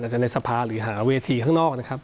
จะในสภาหรือหาเวทีข้างนอกนะครับ